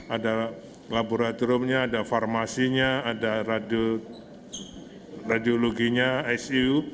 ada laboratoriumnya ada farmasinya ada radiologinya icu